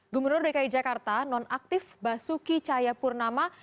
gubernur dki jakarta non aktif basuki cayapurnama